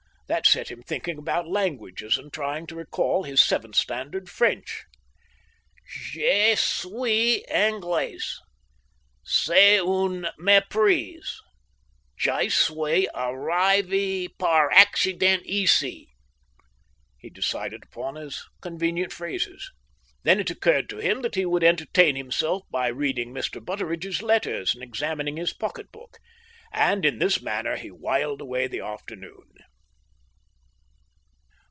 That set him thinking about languages and trying to recall his seventh standard French. "Je suis Anglais. C'est une meprise. Je suis arrive par accident ici," he decided upon as convenient phrases. Then it occurred to him that he would entertain himself by reading Mr. Butteridge's letters and examining his pocket book, and in this manner he whiled away the afternoon.